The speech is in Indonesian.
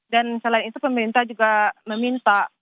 dan selain itu pemerintah juga meminta